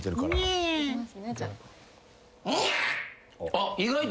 あっ。